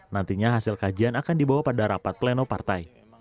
nantinya hasil kajian akan dibawa pada rapat pleno partai